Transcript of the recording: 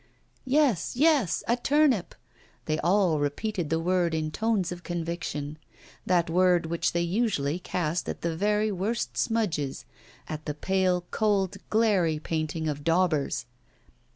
Yes, yes, a turnip! They all repeated the word in tones of conviction that word which they usually cast at the very worst smudges, at the pale, cold, glairy painting of daubers.